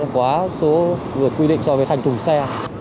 quá số quy định so với thành thùng xe